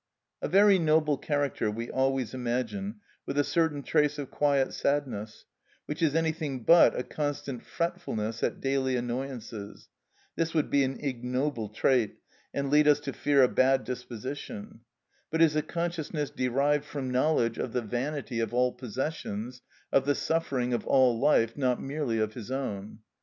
A very noble character we always imagine with a certain trace of quiet sadness, which is anything but a constant fretfulness at daily annoyances (this would be an ignoble trait, and lead us to fear a bad disposition), but is a consciousness derived from knowledge of the vanity of all possessions, of the suffering of all life, not merely of his own.